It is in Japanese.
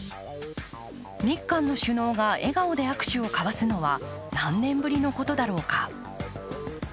日韓の首脳が笑顔で握手を交わすのは何年ぶりのことだろうか。